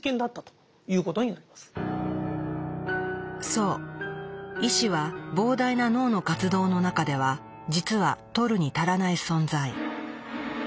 そう意志は膨大な脳の活動の中では実はとるに足らない存在。